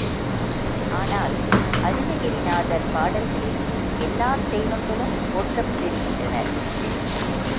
ஆனால் அருணகிரிநாதர் பாடல்களில் எல்லாத் தெய்வங்களும் போற்றப் பெறுகின்றனர்.